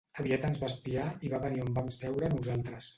Aviat ens va espiar i va venir on vam seure nosaltres.